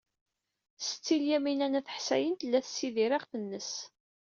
Setti Lyamina n At Ḥsayen tella tessidir iɣef-nnes.